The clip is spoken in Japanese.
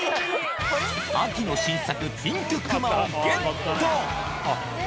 秋の新作、ピンクくまをゲット。